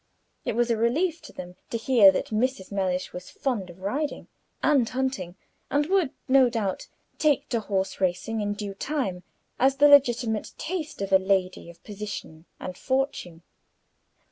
It was a relief to them to hear that Mrs. Mellish was fond of riding and hunting, and would, no doubt, take to horse racing in due time, as the legitimate taste of a lady of position and fortune.